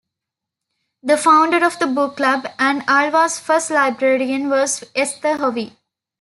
The founder of the book club and Alva's first librarian was Esther Hovey.